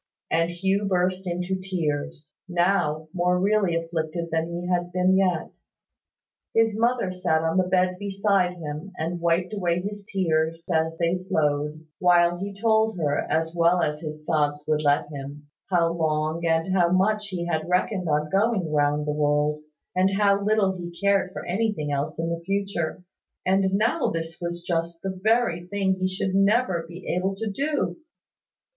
And Hugh burst into tears, now more really afflicted than he had been yet. His mother sat on the bed beside him, and wiped away his tears as they flowed, while he told her, as well as his sobs would let him, how long and how much he had reckoned on going round the world, and how little he cared for anything else in the future; and now this was just the very thing he should never be able to do!